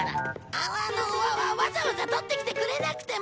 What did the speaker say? あのわざわざ取ってきてくれなくても。